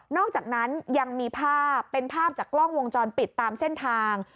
อกจากนั้นยังมีภาพเป็นภาพจากกล้องวงจรปิดตามเส้นทาง